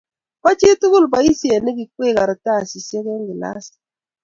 bo chitgulboisiet ne kikwee karatasisiek eng' kilasit